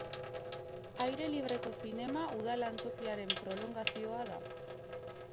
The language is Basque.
Aire libreko zinema udal antzokiaren prolongazioa da.